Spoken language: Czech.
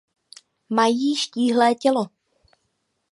Mají štíhlé tělo.